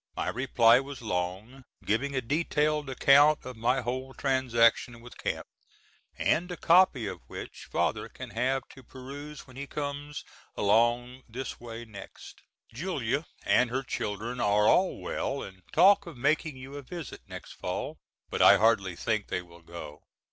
My reply was long, giving a detailed account of my whole transactions with Camp, and a copy of which Father can have to peruse when he comes along this way next. Julia and her children are all well and talk of making you a visit next fall, but I hardly think they will go.